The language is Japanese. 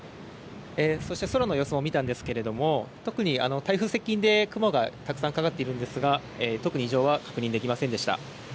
そして空の様子も見たんですけれども、特に台風接近で、雲がたくさんかかっているんですが、特に異常は確認できませんでした。